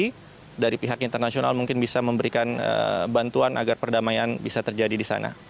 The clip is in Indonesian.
jadi kita berharap dari pihak internasional mungkin bisa memberikan bantuan agar perdamaian bisa terjadi disana